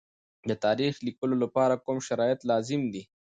د تاریخ لیکلو لپاره کوم شرایط لازم دي؟